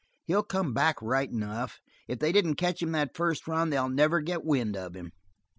He'll come back right enough. If they didn't catch him that first run they'll never get the wind of him."